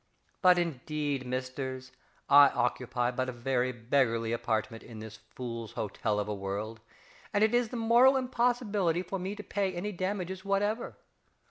But indeed, Misters, I occupy but a very beggarly apartment in this Fools' Hotel of a world, and it is the moral impossibility for me to pay any damages whatever!